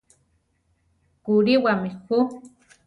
¿Kulíwami ju?